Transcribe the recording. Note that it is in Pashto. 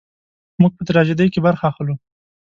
موږ په تراژیدۍ کې برخه اخلو.